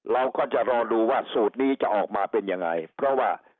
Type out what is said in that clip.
เราก็จะรอดูว่าสูตรนี้จะออกมาเป็นยังไงเพราะว่า